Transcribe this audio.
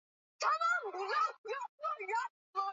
Mwanasiasa muhimu sana ni Xi Jimping na kwa sasa yeye